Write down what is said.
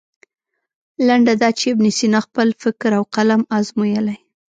لنډه دا چې ابن سینا خپل فکر او قلم ازمویلی.